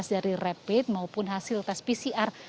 dari rapid maupun hasil tes pcr